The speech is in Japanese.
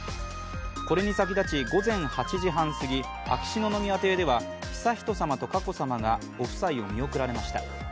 これに先立ち午前８時半すぎ秋篠宮邸では悠仁さまと佳子さまがご夫妻を見送られました。